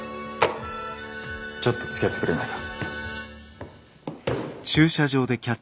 ちょっとつきあってくれないか？